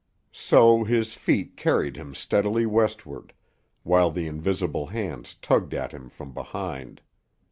So his feet carried him steadily westward, while the invisible hands tugged at him from behind.